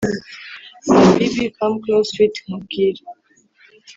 Habibi come close sweet nkubwire